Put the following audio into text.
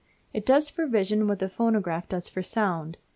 It does for vision what the phonograph does for sound.